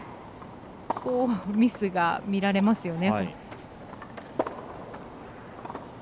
ミスが見られますよね。